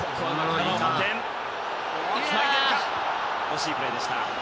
惜しいプレーでした。